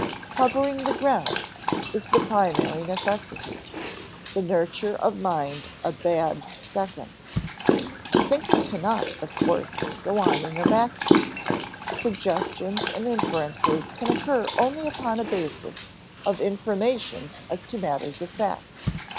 "Covering the ground" is the primary necessity; the nurture of mind a bad second. Thinking cannot, of course, go on in a vacuum; suggestions and inferences can occur only upon a basis of information as to matters of fact.